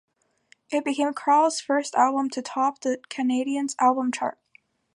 It became Krall's first album to top the Canadian Albums Chart.